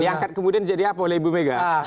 nah diangkat kemudian jadi apa oleh ibu mega